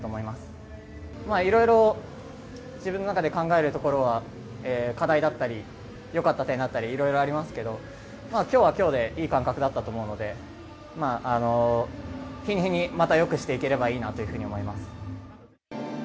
まぁ、いろいろ自分の中で考えるところは、課題だったり良かった点だったり、いろいろありますけど、まぁ、今日は今日でいい感覚だったと思うので、日に日にまた良くしていければいいなと思います。